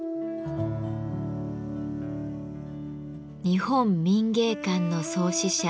日本民藝館の創始者